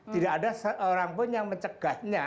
tidak ada seorang pun yang mencegahnya